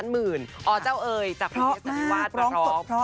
ลูกสาวเหรอ